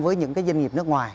với những doanh nghiệp nước ngoài